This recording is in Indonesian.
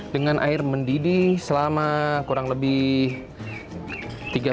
dengan air mendidih selama kurang lebih sepuluh menit